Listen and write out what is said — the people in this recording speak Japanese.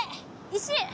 石？